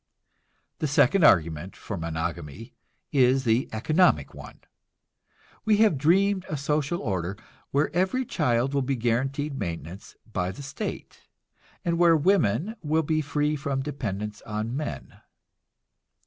The second argument for monogamy is the economic one. We have dreamed a social order where every child will be guaranteed maintenance by the state, and where women will be free from dependence on men.